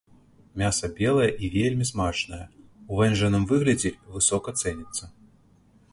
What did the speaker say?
Мяса белае і вельмі смачнае, у вэнджаным выглядзе высока цэніцца.